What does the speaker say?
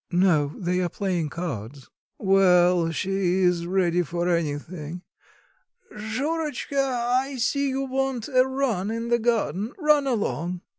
"No they are playing cards." "Well, she's ready for anything. Shurotchka, I see you want a run in the garden run along."